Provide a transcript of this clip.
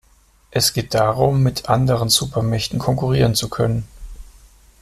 Es geht darum, mit anderen Supermächten konkurrieren zu können.